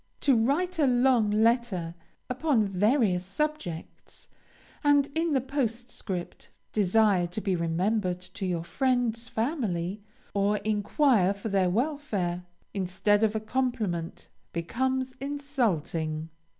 To write a long letter, upon various subjects, and in the postscript desire to be remembered to your friend's family, or inquire for their welfare, instead of a compliment, becomes insulting.